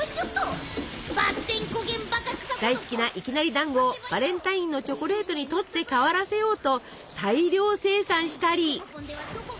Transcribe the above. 大好きないきなりだんごをバレンタインのチョコレートに取って代わらせようと大量生産したり。